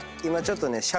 今ちょっとね